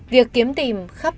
việc kiếm tìm khắp